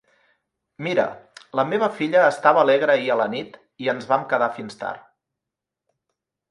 Mira, la meva filla estava alegre ahir a la nit i ens vam quedar fins tard.